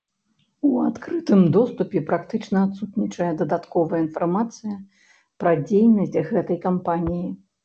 У адкрытым доступе практычна адсутнічае дадатковая інфармацыя пра дзейнасць гэтай кампаніі.